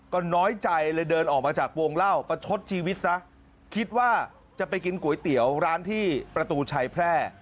ก็น้อยใจเลยเดินออกมาจากวงเล่าประชดชีวิตซะคิดว่าจะไปกินก๋วยเตี๋ยวร้านที่ประตูชัยแพร่